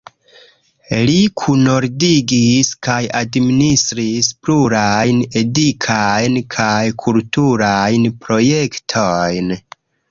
Li kunordigis kaj administris plurajn edukajn kaj kulturajn projektojn.